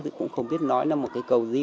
thì cũng không biết nói là một cái cầu gì